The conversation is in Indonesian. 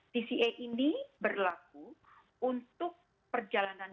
tca ini berlaku untuk perjalanan